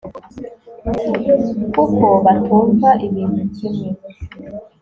kuko batumva ibintu kimwe